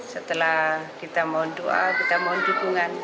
setelah kita mohon doa kita mohon dukungan